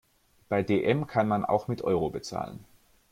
Bei dm kann man auch mit Euro bezahlen.